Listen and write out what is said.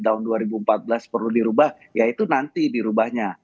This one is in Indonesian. tahun dua ribu empat belas perlu dirubah ya itu nanti dirubahnya